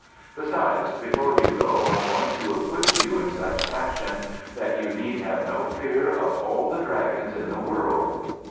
Besides, before you go I'm going to equip you in such fashion that you need have no fear of all the dragons in the world."